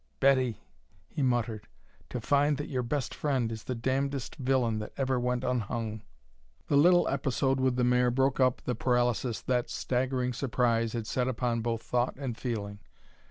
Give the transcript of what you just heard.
"Betty!" he muttered, "to find that your best friend is the damnedest villain that ever went unhung!" The little episode with the mare broke up the paralysis that staggering surprise had set upon both thought and feeling.